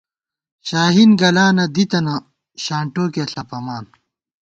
شاہین گلانہ دی تنہ، شانٹوکیہ ݪَپَمان